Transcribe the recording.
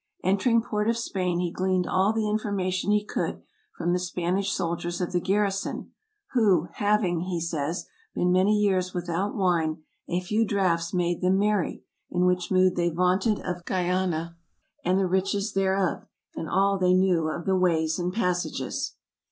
Entering Port of Spain he gleaned all the information he could from the Spanish sol diers of the garrison, who, " having," he says, " been many years without wine, a few draughts made them merry, in which mood they vaunted of Guiana, and the riches thereof, and all that they knew of the ways and passages."